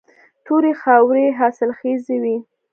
تورې خاورې حاصلخیزې وي.